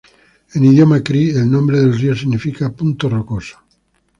En idioma cree el nombre del río significa "punto rocoso".